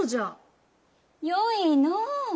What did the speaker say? よいのう。